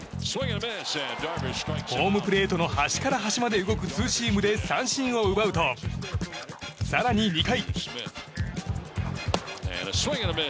ホームプレートの端から端まで動くツーシームで三振を奪うと更に２回。